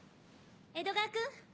江戸川君！